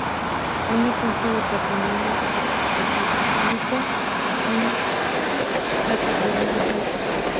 Un ejemplo de patrimonio arquitectónico argentino: La Catedral de Salta